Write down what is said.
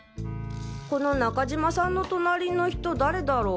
この中島さんの隣の人誰だろう？